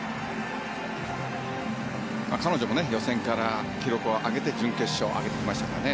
彼女も予選から記録を上げて準決勝上がってきましたからね。